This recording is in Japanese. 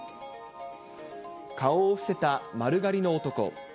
顔を伏せた丸刈りの男。